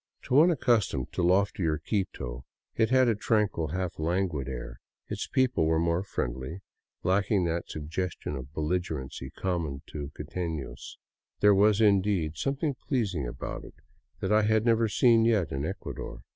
To one accustomed 170 DOWN VOLCANO AVENUE to loftier Quito, it had a tranquil, half languid air; its people were more friendly, lacking that suggestion of belligerency common to quitenos. There was, indeed, something pfeasing about it that I had never yet seen in Ecuador.